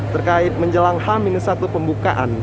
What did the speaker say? terkait menjelang h satu pembukaan